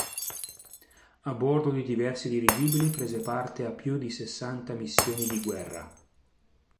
A bordo di diversi dirigibili prese parte a più di sessanta missioni di guerra.